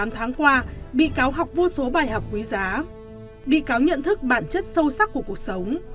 một mươi tám tháng qua bi cáo học vô số bài học quý giá bi cáo nhận thức bản chất sâu sắc của cuộc sống